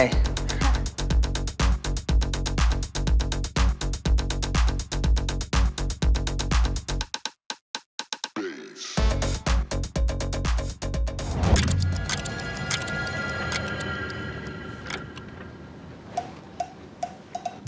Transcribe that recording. อืม